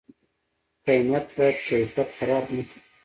کمیت باید کیفیت خراب نکړي؟